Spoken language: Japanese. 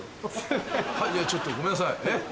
ちょっとごめんなさい。